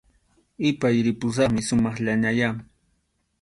Ipay, ripusaqmi sumaqllañayá